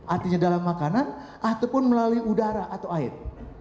artinya dalam makanan ataupun melalui udara atau air